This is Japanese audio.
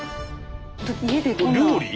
料理？